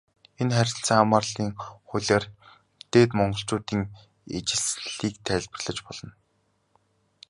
Энэ харилцаа хамаарлын хуулиар Дээд Монголчуудын ижилслийг тайлбарлаж болно.